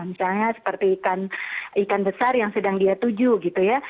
misalnya seperti ikan besar yang sedang dia tuju gitu ya